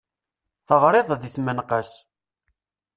Teɣriḍ di tmenqas.